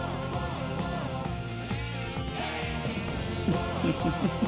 フフフフ。